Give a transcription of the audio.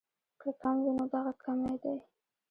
کۀ کم وي نو دغه کمے دې